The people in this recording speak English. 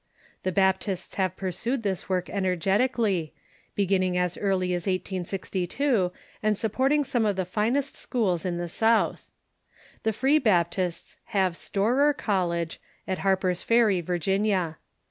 The Baptists have pursued this work energetically, beginning as early as 1862, and supporting some of the finest schools in the South. The Free Baptists have Storer College, at Har per's Ferry, Virginia.